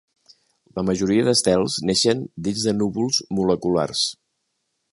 La majoria d'estels neixen dins de núvols moleculars.